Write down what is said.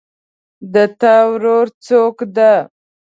د تا ورور څوک ده